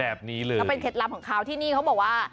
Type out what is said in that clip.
แล้วเป็นเคล็ดลำของเขาที่นี่เขาบอกว่า